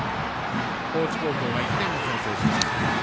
高知高校が１点先制します。